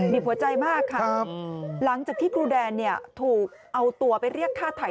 หัวใจมากค่ะหลังจากที่ครูแดนเนี่ยถูกเอาตัวไปเรียกฆ่าไถ่